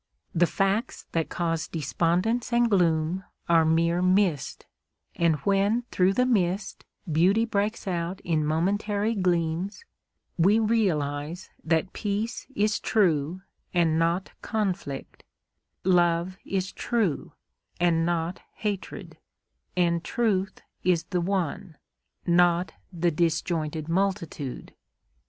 The facts that cause despondence and gloom are mere mist, and when through the mist beauty breaks out in momentary gleams, we realise that Peace is true and not conflict, Love is true and not hatred; and Truth is the One, not the disjointed multitude.